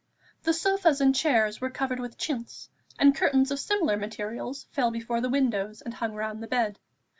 The sofas and chairs were covered with chintz, and curtains of similar material fell before the windows, and hung round the bed.